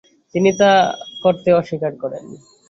তিনি তা করতে অস্বীকার করেন।